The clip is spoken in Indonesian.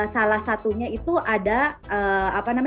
salah satunya itu ada apa namanya